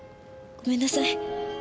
ごめんなさい。